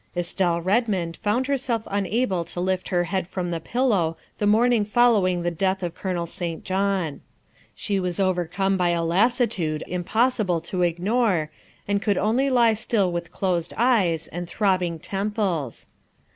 Estelle Redmond found herself unable to lift her head from the pillow the morning following the death of Colonel St. John. She was overcome by a lassitude impossible to ignore, and could only lie still with closed eyes and throbbing temples.